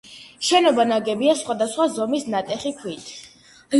შენობა ნაგებია სხვადასხვა ზომის ნატეხი ქვით.